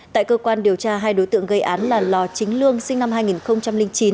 tại cơ quan điều tra hai đối tượng gây án là lò chính lương sinh năm hai nghìn chín